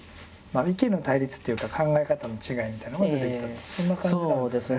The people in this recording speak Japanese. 意見の対立というか考え方の違いみたいなのが出てきたってそんな感じなんですかね。